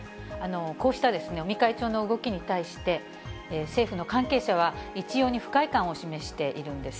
こうした尾身会長の動きに対して、政府の関係者は一様に不快感を示しているんです。